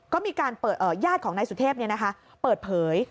ก็มีการเปิดญาติของนายสุเทพเปิดเผย